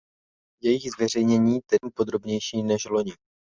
Jejich zveřejnění tedy bude mnohem podrobnější než loni.